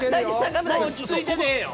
もう落ち着いてでええよ。